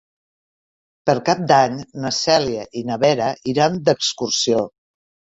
Per Cap d'Any na Cèlia i na Vera iran d'excursió.